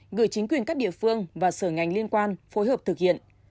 gửi chính quyền các địa phương và sở ngành liên quan phối hợp thực hiện